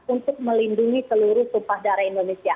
untuk melindungi seluruh sumpah darah indonesia